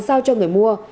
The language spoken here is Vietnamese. giao cho người mua